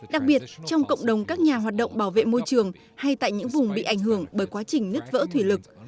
đặc biệt trong cộng đồng các nhà hoạt động bảo vệ môi trường hay tại những vùng bị ảnh hưởng bởi quá trình nứt vỡ thủy lực